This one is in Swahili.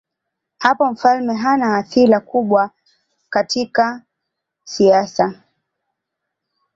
Hapo mfalme hana athira kubwa katika siasa.